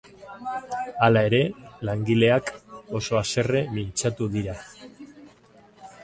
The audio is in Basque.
Hala ere, langileak oso haserre mintzatu dira.